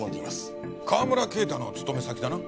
川村啓太の勤め先だな。